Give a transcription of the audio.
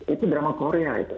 itu drama korea itu